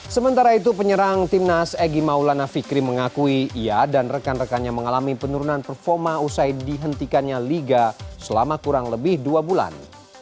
sementara itu penyerang timnas egy maulana fikri mengakui ia dan rekan rekannya mengalami penurunan performa usai dihentikannya liga selama kurang lebih dua bulan